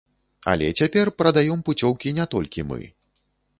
Але цяпер прадаём пуцёўкі не толькі мы.